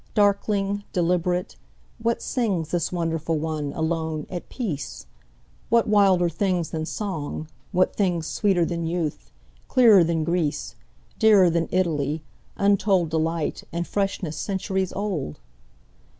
Darkling, deliberate, what singsThis wonderful one, alone, at peace? What wilder things than song, what thingsSweeter than youth, clearer than Greece, Dearer than Italy, untoldDelight, and freshness centuries old?